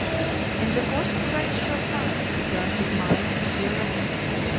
XLIX. In the course of a very short time, he turned his mind to sheer robbery.